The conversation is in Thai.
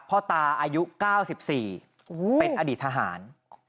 พ่อตาอายุ๙๔เป็นอดีตทหาร